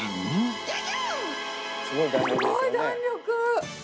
すごい弾力！